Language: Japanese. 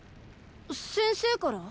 先生から？